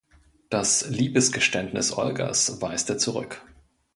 Das Liebesgeständnis Olgas weist er zurück.